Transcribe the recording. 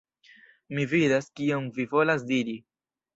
Mi vidas, kion vi volas diri.